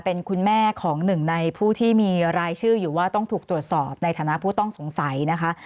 เป็นคุณแม่ของหนึ่งในผู้ที่มีรายชื่ออยู่ว่าต้องถูกตรวจสอบในฐานะผู้ต้องสงสัยนะคะ